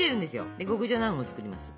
で極上のあんを作ります！